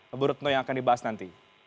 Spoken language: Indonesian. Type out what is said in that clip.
ibu retno yang akan dibahas nanti